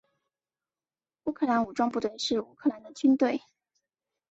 乌克兰武装部队是乌克兰的军队。